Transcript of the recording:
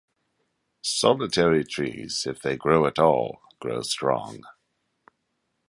Solitary trees, if they grow at all, grow strong.